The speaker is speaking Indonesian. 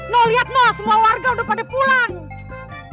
noh lihat noh semua warga udah pada pulang